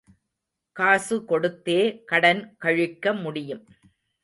காசு கொடுத்தே கடன் கழிக்க முடியும்.